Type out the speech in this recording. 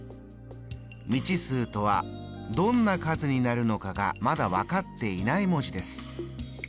未知数とはどんな数になるのかがまだ分かっていない文字です。